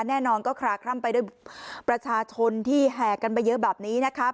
แน่นอนก็คลาคล่ำไปด้วยประชาชนที่แห่กันไปเยอะแบบนี้นะครับ